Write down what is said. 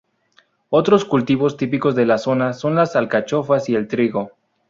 Otros cultivos típicos de la zona son las alcachofas y el trigo.